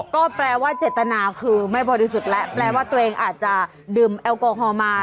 ก็แปลว่าเจตนาคือไม่บริสุทธิ์แล้วแปลว่าตัวเองอาจจะดื่มแอลกอฮอล์มา